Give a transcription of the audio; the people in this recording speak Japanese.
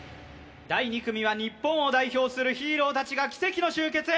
第２組は日本を代表するヒーロー達が奇跡の集結